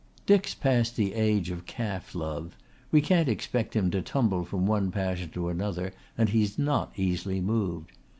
"Dick's past the age of calf love. We can't expect him to tumble from one passion to another; and he's not easily moved.